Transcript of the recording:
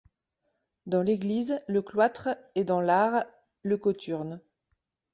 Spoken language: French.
Dans l'église le cloître et dans l'art le cothurne